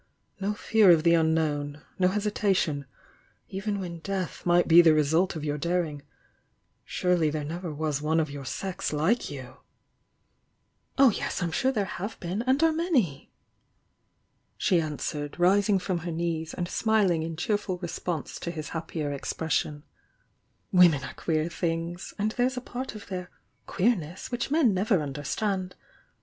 No fear of the unknown! — No hesitation, even when death might be the result of your daring, — surely there never was one of your sex like you!" "Oh, yes, I'm sure there have been, and are many!" she answered, rising from her knees, and smiling in cheerful response to his happier expres sion: "Women are queer things! — and there's a part of their 'queemess' which men never understand.